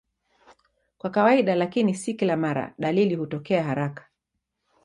Kwa kawaida, lakini si kila mara, dalili hutokea haraka.